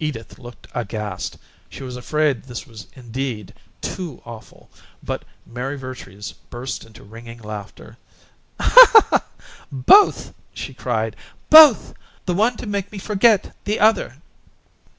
Edith looked aghast; she was afraid this was indeed "too awful," but Mary Vertrees burst into ringing laughter. "Both!" she cried. "Both! The one to make me forget the other!"